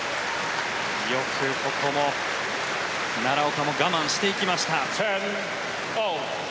よくここも奈良岡も我慢していきました。